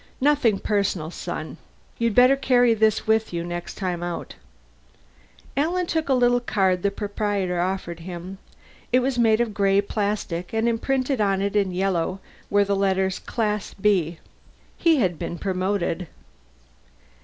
Nothing personal, son. You'd better carry this with you next time out." Alan took the little card the proprietor offered him. It was made of gray plastic, and imprinted on it in yellow were the letters, CLASS B. He had been promoted.